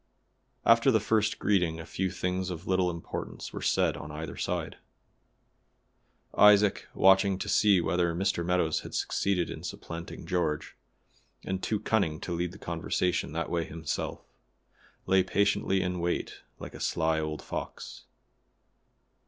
After the first greeting a few things of little importance were said on either side. Isaac watching to see whether Mr. Meadows had succeeded in supplanting George, and too cunning to lead the conversation that way himself, lay patiently in wait like a sly old fox.